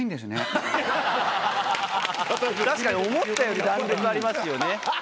確かに思ったより弾力ありますよね。